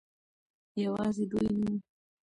يوازې دوي نه وو